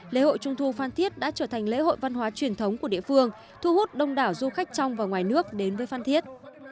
lễ hội trung thu phan thiết đã trở thành lễ hội văn hóa truyền thống của địa phương thu hút đông đảo du khách trong và ngoài nước đến với phan thiết